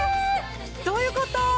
どういうこと？